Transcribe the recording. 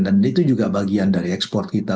dan itu juga bagian dari ekspor kita